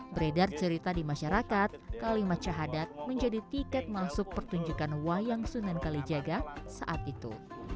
beredar cerita di masyarakat kalimat syahadat menjadi tiket masuk pertunjukan wayang sunan kalijaga saat itu